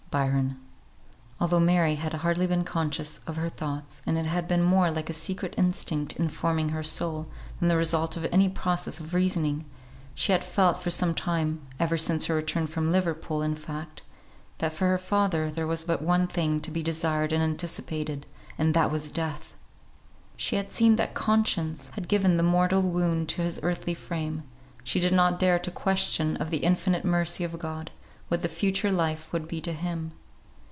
BYRON. Although Mary had hardly been conscious of her thoughts, and it had been more like a secret instinct informing her soul, than the result of any process of reasoning, she had felt for some time (ever since her return from Liverpool, in fact), that for her father there was but one thing to be desired and anticipated, and that was death! She had seen that Conscience had given the mortal wound to his earthly frame; she did not dare to question of the infinite mercy of God, what the Future Life would be to him.